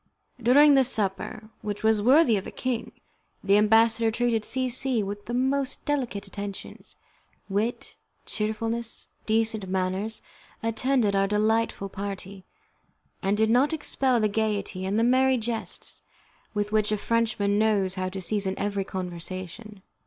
During the supper, which was worthy of a king, the ambassador treated C C with the most delicate attentions. Wit, cheerfulness, decent manners, attended our delightful party, and did not expel the gaiety and the merry jests with which a Frenchman knows how to season every conversation.